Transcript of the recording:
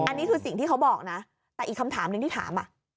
อันนี้คือสิ่งที่เขาบอกนะแต่อีกคำถามหนึ่งที่ถาม